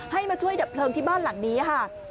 ให้มาช่วยดับเพลิงที่บ้านหลังนี้ค่ะ